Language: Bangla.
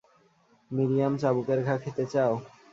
মিরিয়াম, চাবুকের ঘা খেতে চাও?